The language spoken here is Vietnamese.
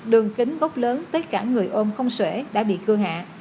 đường kính gốc lớn tất cả người ôm không sể đã bị cưa hạ